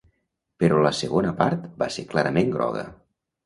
Però la segona part va ser clarament groga.